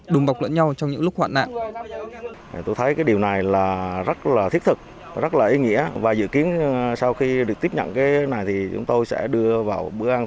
đùm bọc lẫn nhau trong những lúc hoạn nạn